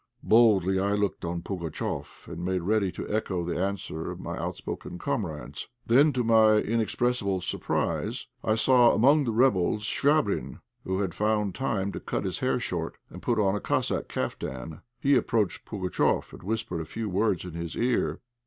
Boldly I looked on Pugatchéf and made ready to echo the answer of my outspoken comrades. Then, to my inexpressible surprise, I saw among the rebels Chvabrine, who had found time to cut his hair short and to put on a Cossack caftan. He approached Pugatchéf, and whispered a few words in his ear.